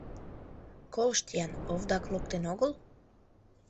— Колышт-ян, овдак локтен огыл?